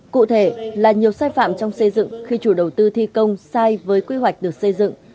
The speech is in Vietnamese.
cụ thể là nhiều sai phạm trong xây dựng khi chủ đầu tư thi công sai với quy hoạch được xây dựng